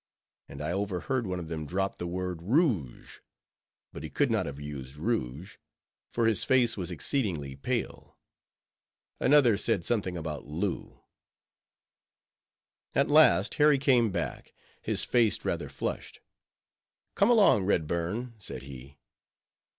And I overheard one of them drop the word Rouge; but he could not have used rouge, for his face was exceedingly pale. Another said something about Loo. At last Harry came back, his face rather flushed. "Come along, Redburn," said he.